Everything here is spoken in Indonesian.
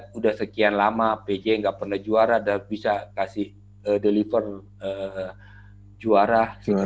sudah sekian lama pj nggak pernah juara dan bisa kasih deliver juara